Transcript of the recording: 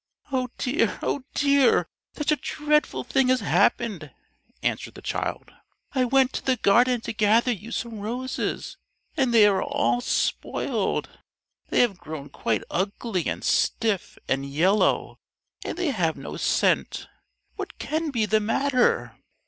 "Oh dear, oh dear, such a dreadful thing has happened!" answered the child. "I went to the garden to gather you some roses, and they are all spoiled; they have grown quite ugly, and stiff, and yellow, and they have no scent. What can be the matter?"